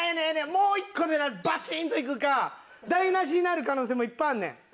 もう１個でなバチンといくか台無しになる可能性もいっぱいあるねん。